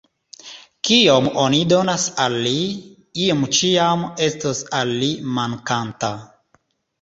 Kiom oni donas al li, io ĉiam estos al li “mankanta”.